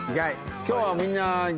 今日はみんな。